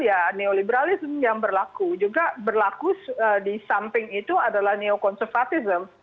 ya neoliberalism yang berlaku juga berlaku di samping itu adalah neokonservatism